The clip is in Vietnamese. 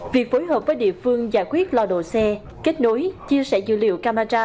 việc phối hợp với địa phương giải quyết lò đồ xe kết nối chia sẻ dữ liệu camera